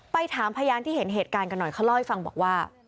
ถามพยานที่เห็นเหตุการณ์กันหน่อยเขาเล่าให้ฟังบอกว่า